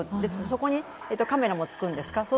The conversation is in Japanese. そこにカメラもつくんですか。